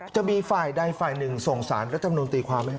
จะมีฝ่ายใดฝ่ายหนึ่งส่งสารรัฐมนุนตีความไหม